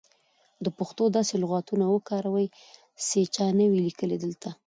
د پښتو داسې لغاتونه وکاروئ سی چا نه وې لیکلي دلته.